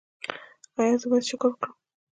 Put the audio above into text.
ایا زه باید شکر وکړم؟